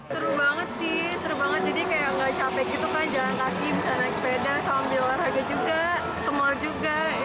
seru banget sih seru banget jadi kayak gak capek gitu kan jalan kaki bisa naik sepeda sambil olahraga juga ke mal juga